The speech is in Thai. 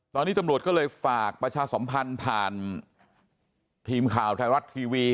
ตอนนี้ตำรวจก็เลยฝากประชาสัมพันธ์ผ่านทีมข่าวไทยรัฐทีวี